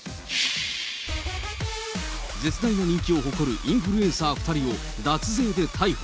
絶大な人気を誇るインフルエンサー２人を、脱税で逮捕。